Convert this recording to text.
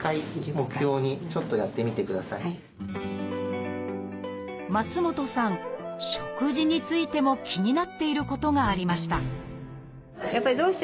食事についても気になっていることがありました